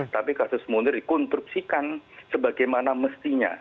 tapi kasus munir dikonstruksikan sebagaimana mestinya